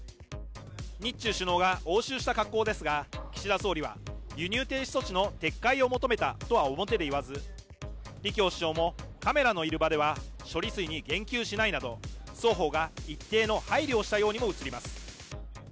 日中首脳が応酬した格好ですが、岸田総理は輸入停止措置の撤回を求めたとは表では言わず、李強首相もカメラのいる場では処理水に言及しないなど双方が一定の配慮をしたようにも映ります。